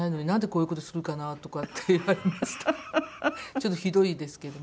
ちょっとひどいですけども。